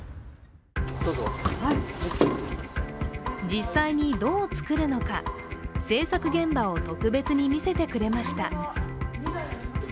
実際にどう作るのか、製作現場を特別に見せてくれました。